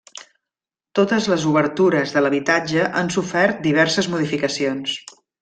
Totes les obertures de l'habitatge han sofert diverses modificacions.